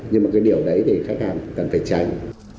nhưng mà cái điều đấy thì khách hàng cần phải tránh